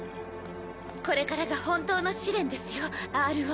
これからが本当の試練ですよＲＯ。